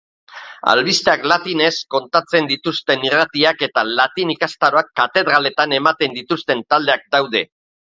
Albisteak latinez kontatzen dituzten irratiak eta latin ikastaroak katedraletan ematen dituzten taldeak daude.